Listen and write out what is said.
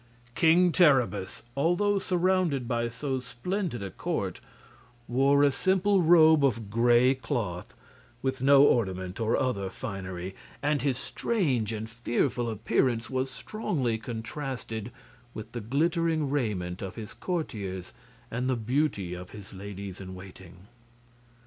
King Terribus, although surrounded by so splendid a court, wore a simple robe of gray cloth, with no ornament or other finery, and his strange and fearful appearance was strongly contrasted with the glittering raiment of his courtiers and the beauty of his ladies in waiting.